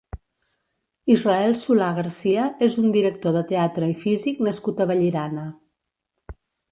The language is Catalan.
Israel Solà García és un director de teatre i físic nascut a Vallirana.